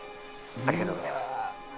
ありがとうございます。